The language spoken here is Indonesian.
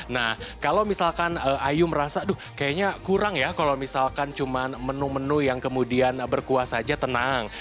nah kalau misalkan ayu merasa duh kayaknya kurang ya kalau misalkan cuma menu menu yang kemudian berkuah saja tenang